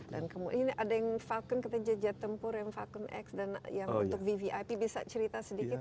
dan kemudian ada yang falcon ketenja jenja tempur yang falcon x dan yang untuk vvip bisa cerita sedikit